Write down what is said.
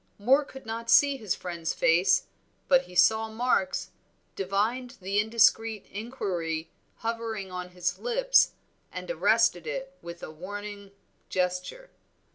Moor could not see his friend's face, but he saw Mark's, divined the indiscreet inquiry hovering on his lips, and arrested it with a warning gesture.